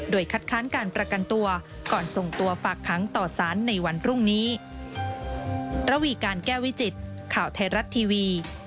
โดยคัดค้านการประกันตัวก่อนส่งตัวฝากค้างต่อสารในวันพรุ่งนี้